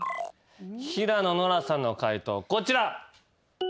平野ノラさんの解答こちら。